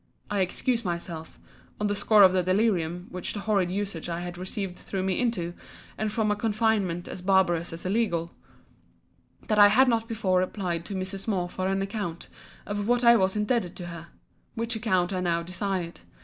I excuse myself (on the score of the delirium, which the horrid usage I had received threw me into, and from a confinement as barbarous as illegal) that I had not before applied to Mrs. Moore for an account of what I was indebted to her: which account I now desired.